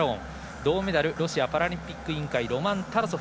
銅メダルロシアパラリンピック委員会ロマン・タラソフ。